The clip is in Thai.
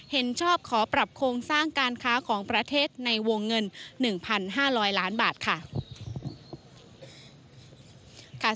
เห็นชอบขอปรับโครงสร้างการค้าของประเทศในวงเงิน๑๕๐๐ล้านบาทค่ะ